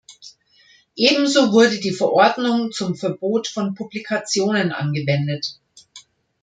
Ebenso wurde die Verordnung zum Verbot von Publikationen angewendet.